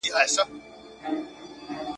اسلام د بشریت لپاره تر ټولو غوره لار ده.